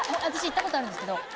私行った事あるんですけど。